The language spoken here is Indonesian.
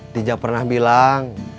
diza pernah bilang